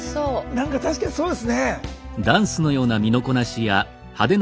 何か確かにそうですね。